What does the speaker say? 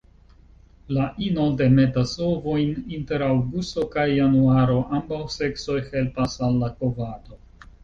La ino demetas ovojn inter aŭgusto kaj januaro; ambaŭ seksoj helpas al la kovado.